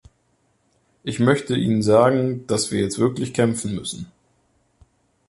Ich möchte Ihnen sagen, dass wir jetzt wirklich kämpfen müssen.